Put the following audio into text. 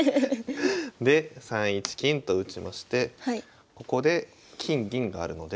で３一金と打ちましてここで金銀があるので。